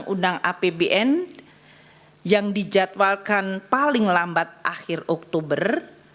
undang undang apbn yang dijadwalkan paling lambat akhir oktober